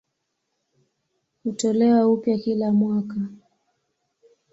Hutolewa upya kila mwaka.